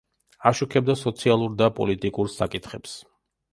აშუქებდა სოციალურ და პოლიტიკურ საკითხებს.